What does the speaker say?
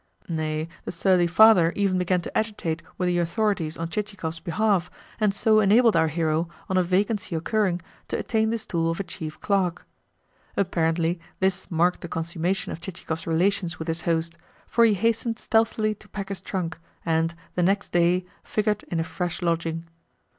Nay, the surly father even began to agitate with the authorities on Chichikov's behalf, and so enabled our hero, on a vacancy occurring, to attain the stool of a Chief Clerk. Apparently this marked the consummation of Chichikov's relations with his host, for he hastened stealthily to pack his trunk and, the next day, figured in a fresh lodging.